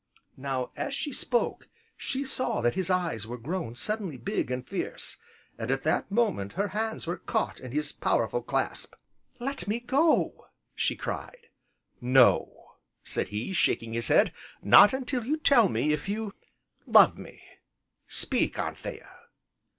Now, as she spoke, she saw that his eyes were grown suddenly big and fierce, and, in that moment, her hands were caught in his powerful clasp. "Let me go!" she cried. "No," said he, shaking his head, "not until you tell me if you love me. Speak, Anthea."